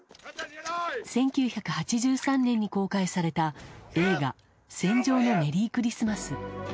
１９８３年に公開された映画「戦場のメリークリスマス」。